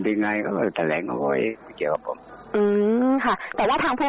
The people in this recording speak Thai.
ที่เค้าเจรูปถ่ายนี้